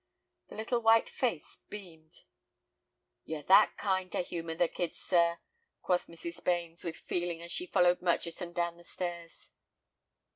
The little white face beamed. "You're that kind to humor the kid, sir," quoth Mrs. Bains, with feeling, as she followed Murchison down the stairs.